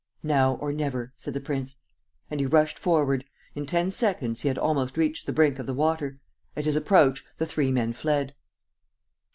"Now or never!" said the prince. And he rushed forward. In ten seconds he had almost reached the brink of the water. At his approach, the three men fled.